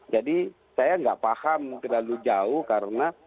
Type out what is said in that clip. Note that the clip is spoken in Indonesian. jadi saya tidak paham terlalu jauh karena